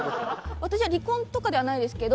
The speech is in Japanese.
私は離婚とかではないですけど